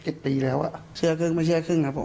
ปีแล้วอ่ะเชื่อครึ่งไม่เชื่อครึ่งครับผม